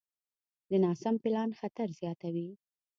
د ناسم پلان خطر زیاتوي.